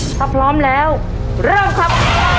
ถ้าพร้อมแล้วเริ่มครับ